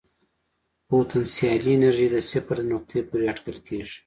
پوتنسیالي انرژي د صفر نقطې پورې اټکل کېږي.